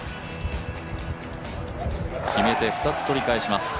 決めて２つ取り返します。